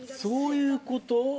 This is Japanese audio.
そういうこと。